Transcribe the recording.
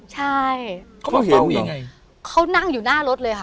ใช่เขามาเห็นยังไงเขานั่งอยู่หน้ารถเลยค่ะ